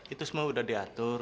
itu semua udah diatur